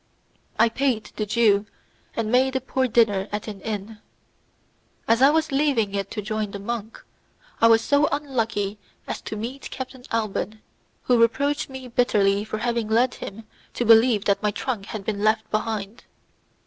I paid the Jew, and made a poor dinner at an inn. As I was leaving it to join the monk, I was so unlucky as to meet Captain Alban, who reproached me bitterly for having led him to believe that my trunk had been left behind.